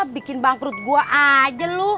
bikin bangkrut gua aja lo